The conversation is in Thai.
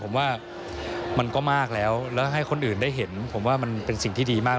ผมว่ามันก็มากแล้วแล้วให้คนอื่นได้เห็นผมว่ามันเป็นสิ่งที่ดีมาก